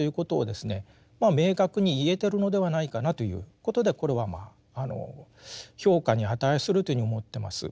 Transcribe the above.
明確に言えてるのではないかなということでこれはまあ評価に値するというふうに思ってます。